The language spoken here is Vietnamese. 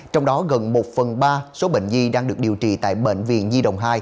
trong đó gần một phần ba số bệnh vi đang được điều trị tại bệnh viện di đồng hai